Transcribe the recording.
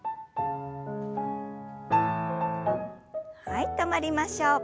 はい止まりましょう。